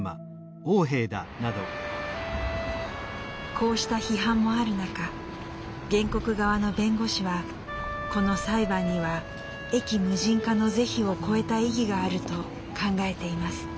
こうした批判もある中原告側の弁護士はこの裁判には駅無人化の是非をこえた意義があると考えています。